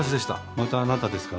またあなたですか？